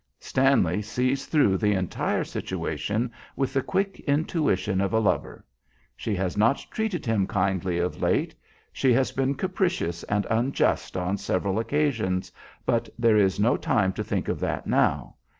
Stanley sees through the entire situation with the quick intuition of a lover. She has not treated him kindly of late. She has been capricious and unjust on several occasions, but there is no time to think of that now.